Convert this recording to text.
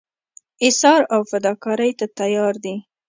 ایثار او فداکارۍ ته تیار دي.